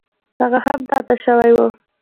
هغه هم تا ته شوی و.